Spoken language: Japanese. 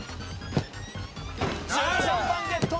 １３番ゲット！